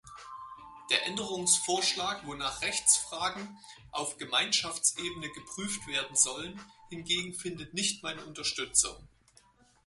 Der Änderungsvorschlag, wonach Rechtsfragen auf Gemeinschaftsebene geprüft werden sollen, hingegen findet nicht meine Unterstützung.